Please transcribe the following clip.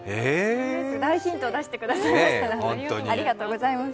大ヒントを出してくださいましてありがとうございます。